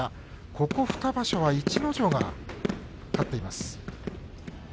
この２場所は逸ノ城が勝っています。